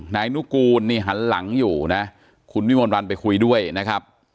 นายนุกูลนี่หันหลังอยู่นะคุณวิมวลวันไปคุยด้วยนะครับ